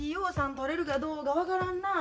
取れるかどうか分からんな。